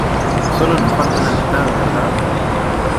Sólo nos falta la mitad, ¿verdad?